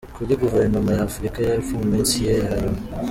Kuri Guverinoma ya Afurika y’Epfo mu minsi ye ya nyuma.